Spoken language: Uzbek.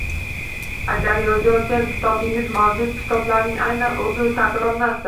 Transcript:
Agar yozayotgan kitobingiz mavjud kitoblarning aynan o‘zini takrorlasa